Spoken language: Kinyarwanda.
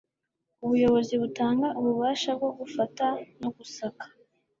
ubuyobozi butanga ububasha bwo gufata no gusaka